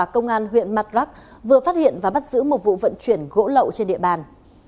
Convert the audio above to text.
công an huyện madrak vừa phát hiện và bắt giữ một vụ vận chuyển gỗ lậu trên địa bàn